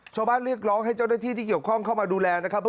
เรียกร้องให้เจ้าหน้าที่ที่เกี่ยวข้องเข้ามาดูแลนะครับ